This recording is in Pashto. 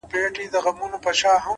هڅاند انسان فرصتونه جوړوي’